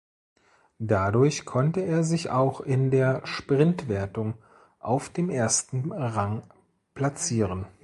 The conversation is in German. Dadurch konnte er sich auch in der Sprintwertung auf dem ersten Rang platzieren.